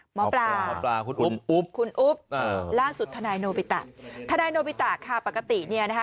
หมอปลาคุณอุ๊บล่าสุดทนายโนบิตะทนายโนบิตะค่ะปกติเนี่ยนะฮะ